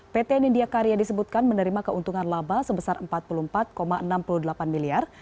pt nindya karya disebutkan menerima keuntungan laba sebesar rp empat puluh empat enam puluh delapan miliar